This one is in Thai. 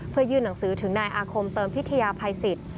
เพื่อยื่นหนังสือถึงนายอาคมเติมพิทยาภัยสิทธิ์